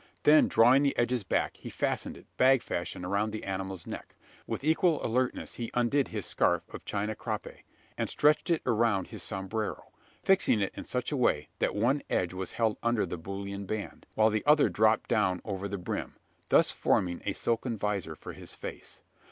Then, drawing the edges back, he fastened it, bag fashion, around the animal's neck. With equal alertness he undid his scarf of China crape; and stretched it around his sombrero fixing it in such a way, that one edge was held under the bullion band, while the other dropped down over the brim thus forming a silken visor for his face.